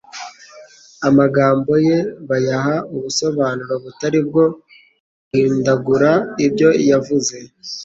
Amagambo ye bayaha ubusobanuro butari bwo, bahindagura ibyo yavuze,